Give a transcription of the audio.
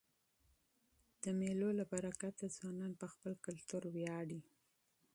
د مېلو له برکته ځوانان په خپل کلتور وياړي.